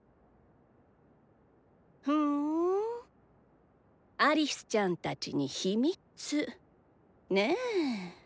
ふぅんアリスちゃんたちに秘密ねぇ。